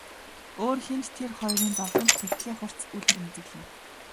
Өөр хэн ч тэр хоёрын зовлонд тэгтлээ хурц үл эмзэглэнэ.